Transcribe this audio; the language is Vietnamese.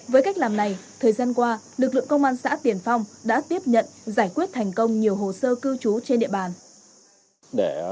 với cách làm này thời gian qua lực lượng công an xã tiền phong đã tiếp nhận giải quyết thành công nhiều hồ sơ cư trú trên địa bàn